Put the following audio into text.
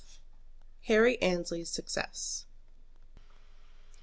HARRY ANNESLEY'S SUCCESS.